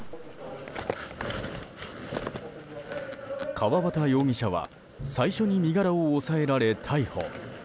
川端容疑者は最初に身柄を押さえられ逮捕。